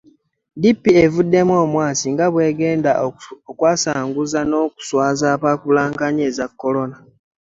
DP evuddemu omwasi nge bwebagenda okwasanguza n'okuswaza ababulankanya eza kolona.